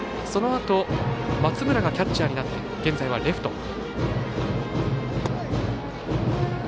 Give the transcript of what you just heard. そのあと松村がキャッチャーになって現在はレフト。